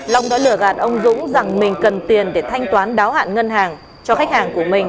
long đã lừa gạt ông dũng rằng mình cần tiền để thanh toán đáo hạn ngân hàng cho khách hàng của mình